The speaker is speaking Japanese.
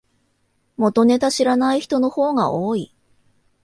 元ネタ知らない人の方が多い